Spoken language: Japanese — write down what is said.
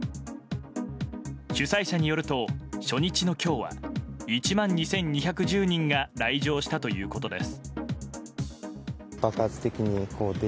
主催者によると初日の今日は１万２２１０人が来場したということです。